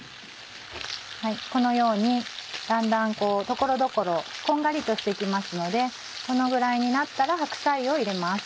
このようにだんだん所々こんがりとして来ますのでこのぐらいになったら白菜を入れます。